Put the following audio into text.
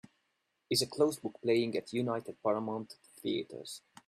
Is A Closed Book playing at United Paramount Theatres